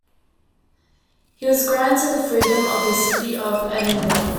He was granted the Freedom of the City of Edinburgh.